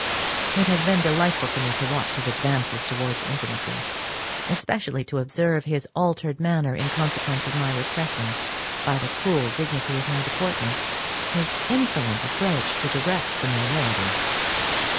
It has been delightful to me to watch his advances towards intimacy, especially to observe his altered manner in consequence of my repressing by the cool dignity of my deportment his insolent approach to direct familiarity.